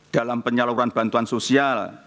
dalam penyaluran bantuan sosial